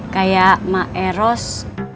kayak mak eros